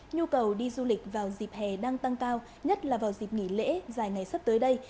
nhu cầu đi du lịch vào dịp hè đang tăng cao nhất là vào dịp nghỉ lễ dài ngày sắp tới đây